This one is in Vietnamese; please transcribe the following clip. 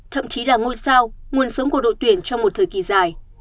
thậm chí là ngôi sao nguồn sống của đội tuyển trong một thời kỳ dài